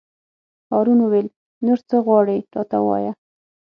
هارون وویل: نور څه غواړې راته ووایه.